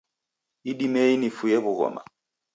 Idimei nifuye w'ughoma